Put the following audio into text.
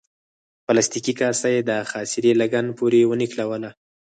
پلاستیکي کاسه یې د خاصرې لګن پورې ونښلوله.